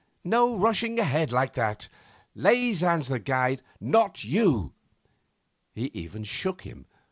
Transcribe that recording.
No rushing ahead like that. Leysin's the guide, not you.' He even shook him.